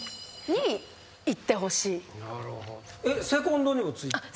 えっセコンドにもついてたの？